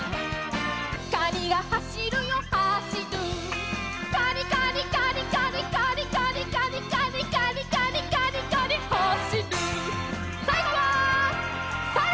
カニがはしるよはしるカニカニカニカニカニカニカニカニカニカニカニカニはしるさいごはさる！